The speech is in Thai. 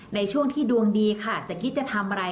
ในช่วงที่ดวงดีค่ะจะคิดจะทำอะไร